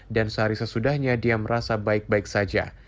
dan sehari sesudahnya dia merasa baik baik saja